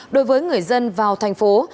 đối với người dân vào thành phố